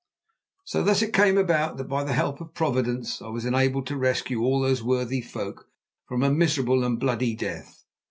So thus it came about that by the help of Providence I was enabled to rescue all these worthy folk from a miserable and a bloody death.